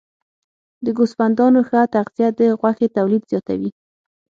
د ګوسفندانو ښه تغذیه د غوښې تولید زیاتوي.